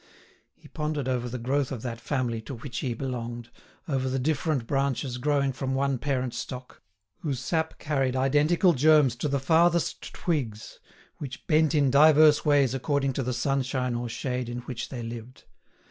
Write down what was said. He pondered over the growth of that family to which he belonged, over the different branches growing from one parent stock, whose sap carried identical germs to the farthest twigs, which bent in divers ways according to the sunshine or shade in which they lived.